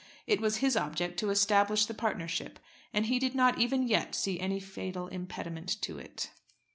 It was his object to establish the partnership, and he did not even yet see any fatal impediment to it.